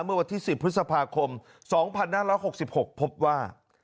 เมื่อวันที่๑๐พฤษภาคม๒๕๖๖พบว่า